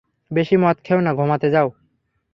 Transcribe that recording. বেশি মদ খেও না, ঘুমাতে যাও।